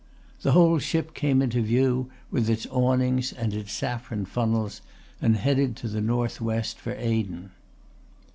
The whole ship came into view with its awnings and its saffron funnels and headed to the north west for Aden.